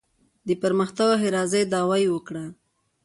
د پرمختګ او ښېرازۍ دعوا یې وکړو.